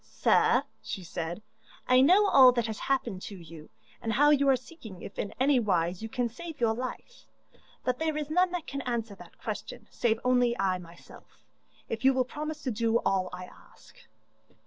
'Sir,' she said, 'I know all that has happened to you, and how you are seeking if in any wise you can save your life. But there is none that can answer that question save only I myself, if you will promise to do all I ask.